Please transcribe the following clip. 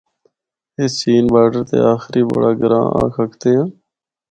اس چین باڈر تے آخری بڑا گراں آکھ ہکدیاں ہاں۔